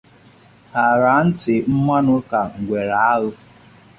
ha araa ntị mmanụ ka ngwere aghọ